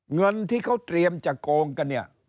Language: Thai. เงินที่เขาเตรียมจะโกงกันเนี่ย